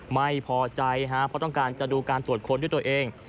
ไม่พอใจฮะเพราะต้องการจะดูการตรวจค้นด้วยตัวเอง